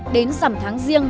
đến rằm tháng riêng